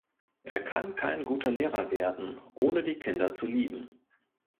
Er kann kein guter Lehrer werden, ohne die Kinder zu lieben.